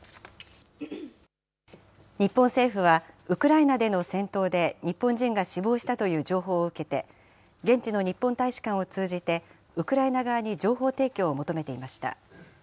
日本政府は、ウクライナでの戦闘で日本人が死亡したという情報を受けて、現地の日本大使館を通じて、ウクライナ側に情報提供を求めていました。